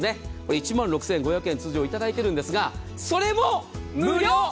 １万６５００円通常、頂いているんですがそれも無料！